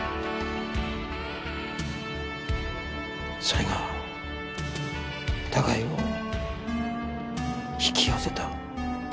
それが互いを引き寄せた。